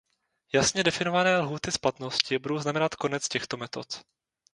Jasně definované lhůty splatnosti budou znamenat konec těchto metod.